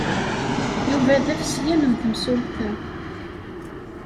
Yuba d afesyan n temsulta.